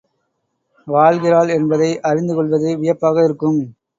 வாழ்கிறாள் என்பதை அறிந்துகொள்வது வியப்பாக இருக்கும்.